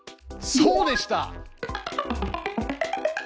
そうでした！